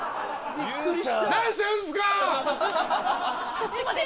そっちまで？